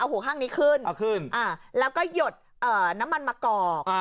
เอาหูข้างนี้ขึ้นแล้วก็หยดน้ำมันมะกอก